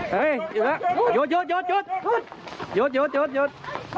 เฮ้ยอยู่แล้วหยุดหยุดหยุดหยุดหยุดหยุดหยุดหยุดหยุด